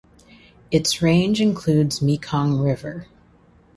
Its range includes Mekong River.